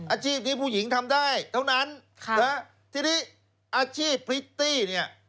อาชีพที่ผู้หญิงทำได้เท่านั้นทีนี้อาชีพพริตตี้เนี่ย